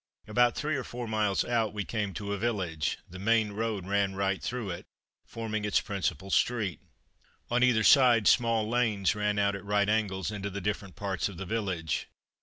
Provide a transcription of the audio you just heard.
About three or four miles out we came to a village; the main road ran right through it, forming its principal street. On either side small lanes ran out at right angles into the different parts of the village.